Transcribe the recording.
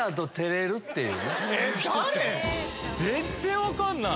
誰⁉全然分かんない。